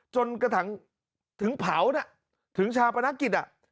จนกระถังถึงเผานะถึงชาวปนักกิจน่ะ